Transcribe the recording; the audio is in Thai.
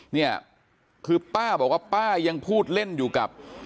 เนี่ยคือป้าบอกว่าป้ายังพูดเล่นอยู่กับ